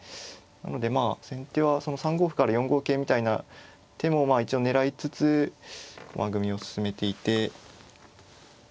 なのでまあ先手はその３五歩から４五桂みたいな手もまあ一応狙いつつ駒組みを進めていて。